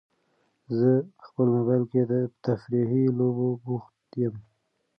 زه په خپل موبایل کې په تفریحي لوبو بوخت یم.